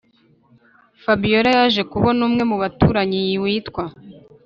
fabiora yaje kubona umwe mubaturanyi witwa